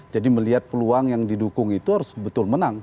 jadi melihat peluang yang didukung itu harus betul menang